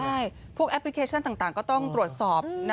ใช่พวกแอปพลิเคชันต่างก็ต้องตรวจสอบนะ